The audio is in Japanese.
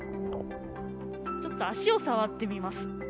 ちょっと足を触ってみます。